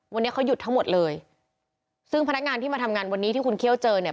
วันนี้เขาหยุดทั้งหมดเลยซึ่งพนักงานที่มาทำงานวันนี้ที่คุณเคี่ยวเจอเนี่ย